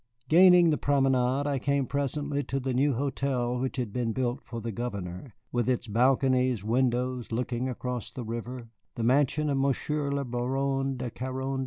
Gaining the promenade, I came presently to the new hotel which had been built for the Governor, with its balconied windows looking across the river the mansion of Monsieur le Baron de Carondelet.